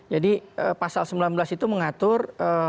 jadi pasal sembilan belas itu mengatur